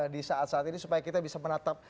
di saat saat ini supaya kita bisa menatap